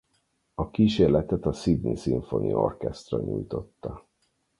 A kíséretet a Sydney Symphony Orchestra nyújtotta.